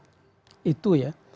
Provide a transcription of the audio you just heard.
sebetulnya begini sebelum itu ya